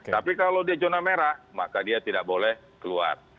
tapi kalau dia zona merah maka dia tidak boleh keluar